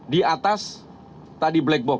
di atas tadi black box